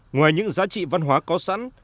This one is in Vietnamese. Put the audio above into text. ngoài những giá trị văn hóa có sẵn